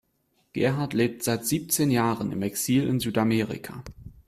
Gerhard lebt seit siebzehn Jahren im Exil in Südamerika.